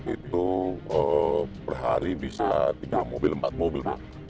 itu perhari bisa tiga mobil empat mobil